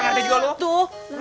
gak ada juga lu